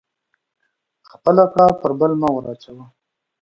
خپله پړه په بل مه ور اچوه